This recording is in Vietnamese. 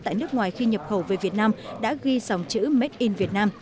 tại nước ngoài khi nhập khẩu về việt nam đã ghi dòng chữ made in vietnam